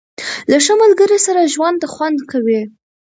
• له ښه ملګري سره ژوند خوند کوي.